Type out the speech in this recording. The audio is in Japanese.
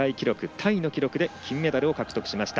タイの記録で金メダルを獲得しました。